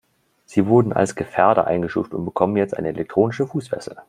Sie wurden als Gefährder eingestuft und bekommen jetzt eine elektronische Fußfessel.